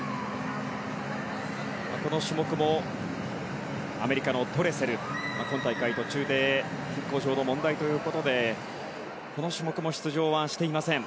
この種目もアメリカのドレセル今大会、途中で健康上の問題ということでこの種目も出場はしていません。